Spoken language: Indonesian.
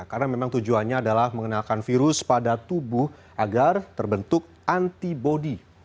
karena memang tujuannya adalah mengenalkan virus pada tubuh agar terbentuk antibody